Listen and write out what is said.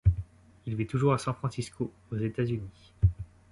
Il vit toujours à San Francisco aux États-Unis.